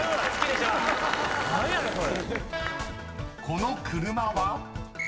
［この車は？］